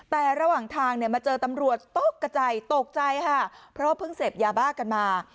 แต่ระหว่างทางเนี่ยมาเจอตำรวจตกกระจายตกใจค่ะเพราะว่าเพิ่งเสพยาบ้ากันมา